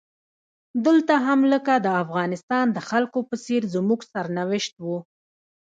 دلته هم لکه د افغانستان د خلکو په څیر زموږ سرنوشت و.